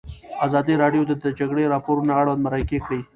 ازادي راډیو د د جګړې راپورونه اړوند مرکې کړي.